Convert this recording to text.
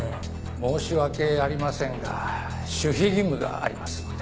申し訳ありませんが守秘義務がありますので。